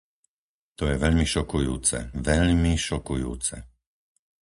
To je veľmi šokujúce, veľmi šokujúce.